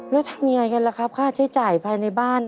แล้วทำยังไงกันล่ะครับค่าใช้จ่ายภายในบ้าน